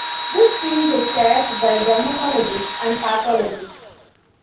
This field is shared by dermatologists and pathologists.